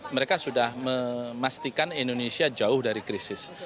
mereka sudah memastikan indonesia jauh dari krisis